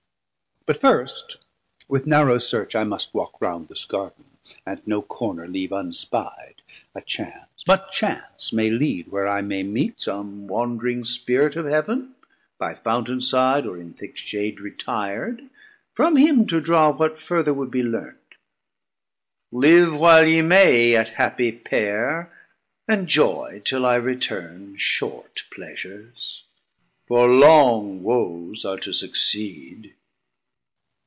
But first with narrow search I must walk round This Garden, and no corner leave unspi'd; A chance but chance may lead where I may meet 530 Some wandring Spirit of Heav'n, by Fountain side, Or in thick shade retir'd, from him to draw What further would be learnt. Live while ye may, Yet happie pair; enjoy, till I return, Short pleasures, for long woes are to succeed.